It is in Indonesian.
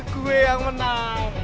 gue yang menang